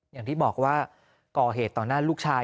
อย่างที่บอกว่าก่อเหตุต่อหน้าลูกชาย